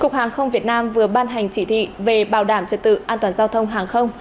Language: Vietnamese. cục hàng không việt nam vừa ban hành chỉ thị về bảo đảm trật tự an toàn giao thông hàng không